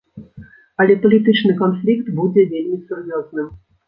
Але палітычны канфлікт будзе вельмі сур'ёзным.